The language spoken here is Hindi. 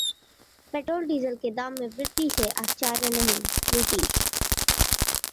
पेट्रोल-डीजल के दाम में वृद्धि से आश्चर्य नहीं: नीतीश